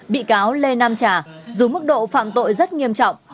bị cáo lê nam trà dù mức độ phạm tội rất nghiêm trọng